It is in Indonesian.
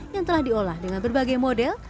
yang telah diolah dengan berbagai model